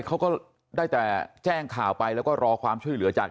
เขาก็ได้แต่แจ้งข่าวไปแล้วก็รอความช่วยเหลือจาก